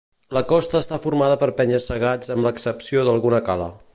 La costa està formada per penya-segats amb l'excepció d'alguna cala.